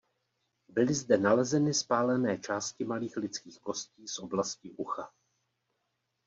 Byly zde nalezeny spálené části malých lidských kostí z oblasti ucha.